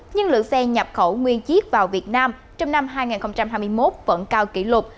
nhưng lượng xe nhập khẩu nguyên chiếc vào việt nam trong năm hai nghìn hai mươi một vẫn cao kỷ lục